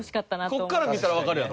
ここから見たらわかるやろ？